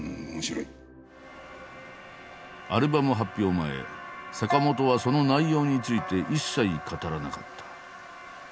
前坂本はその内容について一切語らなかった。